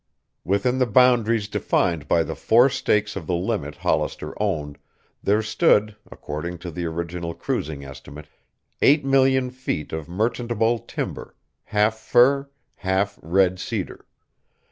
Within the boundaries defined by the four stakes of the limit Hollister owned there stood, according to the original cruising estimate, eight million feet of merchantable timber, half fir, half red cedar.